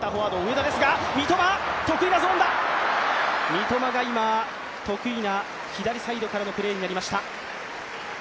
三笘が今、得意な左サイドからのプレーになりました。